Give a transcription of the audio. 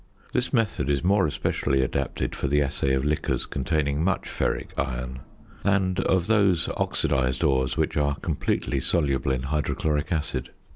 This method is more especially adapted for the assay of liquors containing much ferric iron and of those oxidised ores which are completely soluble in hydrochloric acid.